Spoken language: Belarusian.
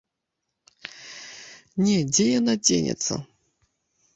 Не дзе яна дзенецца.